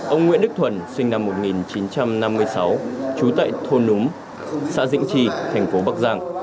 ông nguyễn đức thuần sinh năm một nghìn chín trăm năm mươi sáu trú tại thôn núng xã dĩnh trì thành phố bắc giang